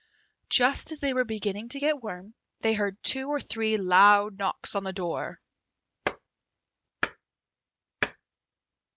Just as they were beginning to get warm, they heard two or three loud knocks at the door.